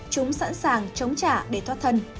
chúng sẵn sàng chống trả để thoát thân